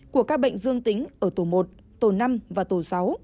của các bệnh dương tính ở tổ một tổ năm và tổ sáu